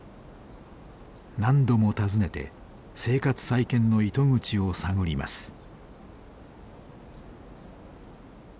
何度も訪ねて生活再建の糸口を探ります。